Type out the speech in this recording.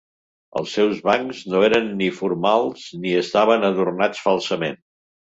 Els seus bancs no eren ni formals ni estaven adornats falsament.